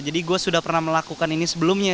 jadi gue sudah pernah melakukan ini sebelumnya